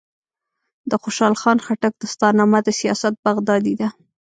د خوشحال خان خټک دستارنامه د سیاست بغدادي ده.